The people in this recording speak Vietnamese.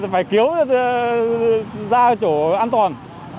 phải kéo ra chỗ an toàn